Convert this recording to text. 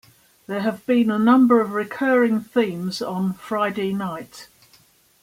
There have been a number of recurring themes on "Friday Night".